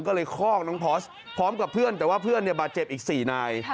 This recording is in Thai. ก็เลยคอกน้องพอร์สพร้อมกับเพื่อนแต่ว่าเพื่อนบาดเจ็บอีก๔นาย